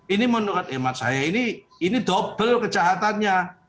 ini menurut emat saya ini dobel kejahatannya